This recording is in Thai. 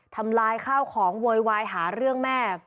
ทำลายข้าวของโวยวายหาเรื่องแม่